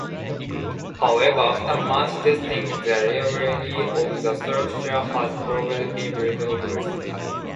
However, after much testing, the reliability of the structure has proven to be robust.